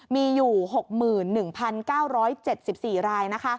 มีอยู่๖๑๙๗๔ราย